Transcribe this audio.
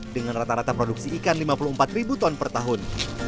dengan rata rata produksi ikan lima puluh empat ribu ton per tahun